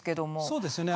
そうですね。